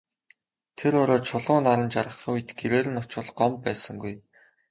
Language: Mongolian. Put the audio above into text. Тэр орой Чулуун наран жаргахын үед гэрээр нь очвол Гомбо байсангүй.